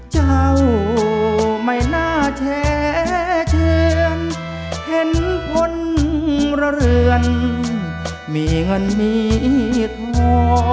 เจ้าไม่น่าแช่เชือนเห็นคนระเรือนมีเงินมีทัวร์